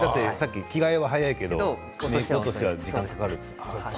さっき着替えは早いけどメーク落としに時間がかかると。